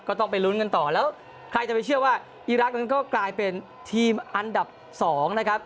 ก็ต้องไปลุ้นกันต่อแล้วใครจะไปเชื่อว่าอีรักษ์นั้นก็กลายเป็นทีมอันดับ๒นะครับ